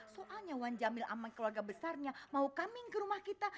soalnya wan jamil sama keluarga besarnya mau kambing ke rumah kita